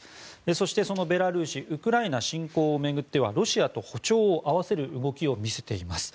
そして、そのベラルーシウクライナ侵攻を巡ってはロシアと歩調を合わせる動きを見せています。